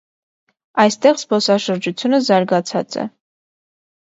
Այստեղ զբոսաշրջությունը զարգացած է։